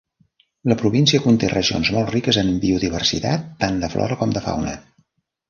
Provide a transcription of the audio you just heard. La província conté regions molt riques en biodiversitat tant de flora com de fauna.